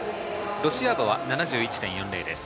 ロシアーボは７１．４０です。